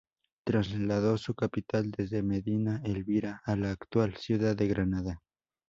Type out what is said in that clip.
Trasladó su capital desde Medina Elvira a la actual ciudad de Granada.